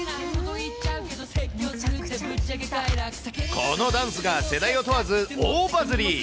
このダンスが世代を問わず、大バズり。